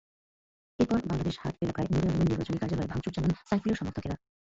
এরপর বাংলাদেশ হাট এলাকায় নূরে আলমের নির্বাচনী কার্যালয়ে ভাঙচুর চালান সাইফুলের সমর্থকেরা।